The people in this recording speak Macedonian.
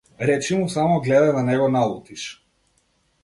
Речи му само гледај да не го налутиш.